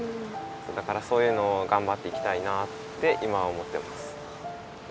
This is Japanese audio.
だからそういうのをがんばっていきたいなって今は思ってます。